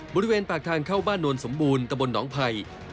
บริเวณปากทางเข้าบ้านโนนสมบูรณ์ตะบนหนองภัย